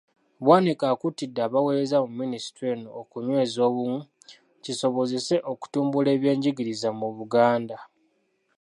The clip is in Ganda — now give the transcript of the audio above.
Bwanika akuutidde abaweereza mu Minisitule eno okunyweza obumu, kisobozese okutumbula ebyenjigiriza mu Buganda.